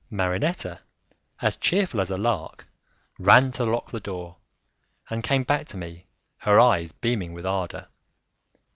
Marinetta, as cheerful as a lark, ran to lock the door and came back to me, her eyes beaming with ardour.